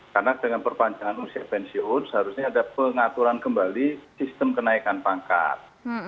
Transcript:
karena dengan perpanjangan usia pensiun seharusnya ada pengaturan kembali sistem kenaikan pangkat